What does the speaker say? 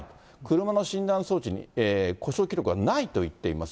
車の診断装置に故障記録はないと言っています。